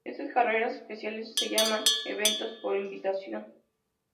Estas carreras especiales se llaman "eventos por invitación".